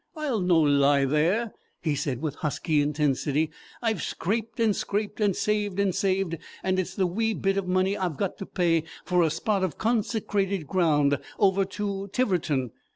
"I'll no lie there," he said, with husky intensity. "I've scraped and scraped, and saved and saved, and it's the wee bit money I've got to pay for a spot of consecrated ground over to Tiverton.